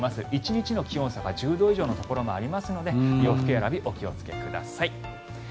１日の気温差が１０度以上のところもありますので洋服選びお気をつけください。